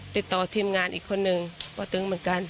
ติดต่อทีมงานอีกคนนึงก็ตึงเหมือนกัน